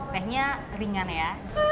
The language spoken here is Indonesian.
tehnya ringan ya